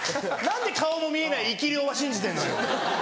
何で顔も見えない生き霊は信じてんのよ？